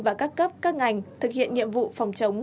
và các cấp các ngành thực hiện nhiệm vụ phòng chống